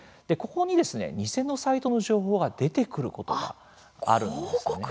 ここに偽のサイトの情報が出てくることがあるんですね。